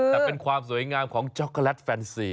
แต่เป็นความสวยงามของช็อกโกแลตแฟนซี